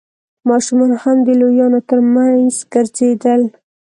ماشومان هم د لويانو تر مينځ ګرځېدل.